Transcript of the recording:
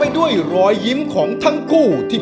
ผ่านยกที่สองไปได้นะครับคุณโอ